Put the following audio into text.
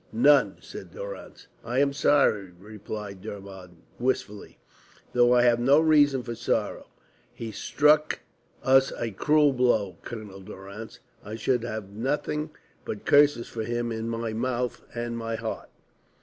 "None," said Durrance. "I am sorry," replied Dermod, wistfully, "though I have no reason for sorrow. He struck us a cruel blow, Colonel Durrance. I should have nothing but curses for him in my mouth and my heart.